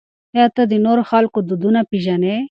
آیا ته د نورو خلکو دودونه پېژنې؟